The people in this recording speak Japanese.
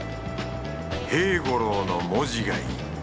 平五郎の文字がいい。